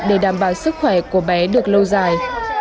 để đảm bảo sức khỏe của bé được lâu dài